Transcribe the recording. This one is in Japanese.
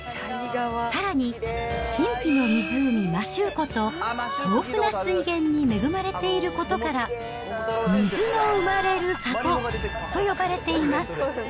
さらに、神秘の湖、摩周湖と豊富な水源に恵まれていることから、水の生まれる里と呼ばれています。